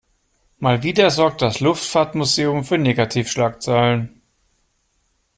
Mal wieder sorgt das Luftfahrtmuseum für Negativschlagzeilen.